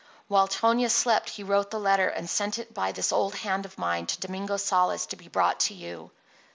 While Tonia slept he wrote the letter and sent it by this old hand of mine to Domingo Sales to be brought to you.